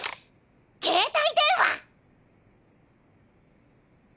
携帯電話！